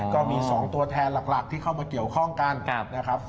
ก็มี๒ตัวแทนหลักที่เข้ามาเกี่ยวข้องกันนะครับ